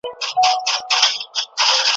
سېل د زاڼو پر ساحل باندي تیریږي